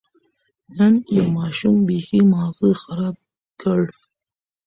نن یو ماشوم بېخي ماغزه خراب کړ.